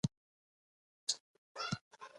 خور د خپلو ماشومانو روزنه کوي.